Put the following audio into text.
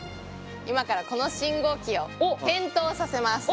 今からこの信号機を点灯させます。